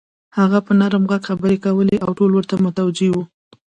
هغه په نرم غږ خبرې کولې او ټول ورته متوجه وو.